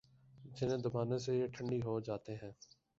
۔ جنہیں دبانے سے یہ ٹھنڈی ہوجاتے ہیں۔